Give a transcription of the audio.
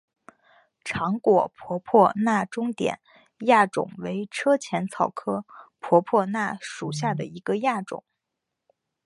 长果婆婆纳中甸亚种为车前草科婆婆纳属下的一个亚种。